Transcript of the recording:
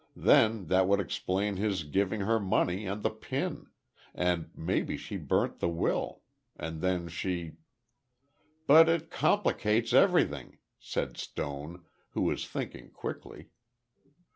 Then, that would explain his giving her money and the pin—and maybe she burnt the will! and then she—" "But it complicates everything," said Stone, who was thinking quickly.